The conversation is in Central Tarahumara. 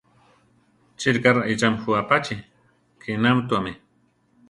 Cha ríka raíchami jú apachí, ke inámituami.